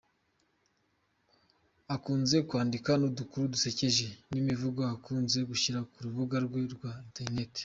Akunze kwandika n’udukuru dusekeje n’imivugo akunze gushyira ku rubuga rwe rwa internet.